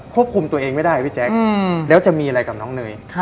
ควบคุมตัวเองไม่ได้พี่แจ๊คแล้วจะมีอะไรกับน้องเนย